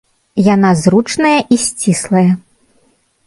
Яна зручная і сціслая.